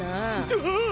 ああ！